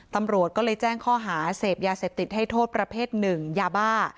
ตำรวจก็เลยแจ้งข้อหาเสพยาเสพติดให้โทษประเภทหนึ่งยาบ้า